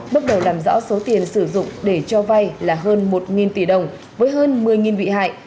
bước đầu làm rõ số tiền sử dụng để cho vay là hơn một tỷ đồng với hơn một mươi bị hại